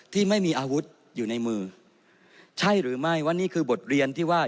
ที่ไม่มีอาวุธอยู่ในมือใช่หรือไม่ว่านี่คือบทเรียนที่ว่า